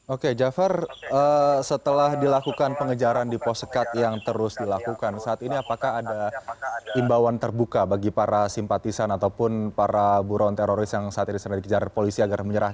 oke jafar setelah dilakukan pengejaran di pos sekat yang terus dilakukan saat ini apakah ada imbauan terbuka bagi para simpatisan ataupun para buron teroris yang saat ini sedang dikejar polisi agar menyerah